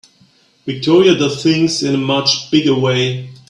Victoria does things in a much bigger way.